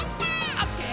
「オッケー！